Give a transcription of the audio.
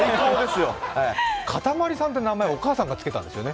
かたまりさんって名前、お母さんがつけたんですよね？